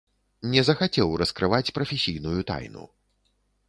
Не захацеў раскрываць прафесійную тайну.